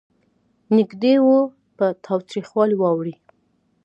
نېږدې و په تاوتریخوالي واوړي.